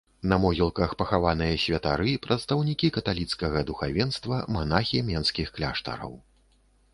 На могілках пахаваныя святары, прадстаўнікі каталіцкага духавенства, манахі менскіх кляштараў.